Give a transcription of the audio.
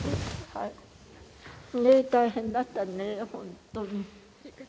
大変だったね、本当に。